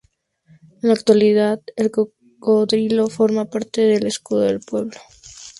En la actualidad, el cocodrilo forma parte del escudo del pueblo.